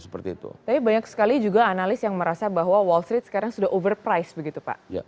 tapi banyak sekali juga analis yang merasa bahwa wall street sekarang sudah overprise begitu pak